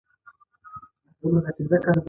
انار د افغانستان د شنو سیمو ښکلا ده.